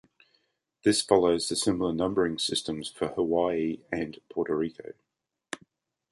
This follows the similar numbering systems for Hawaii and Puerto Rico.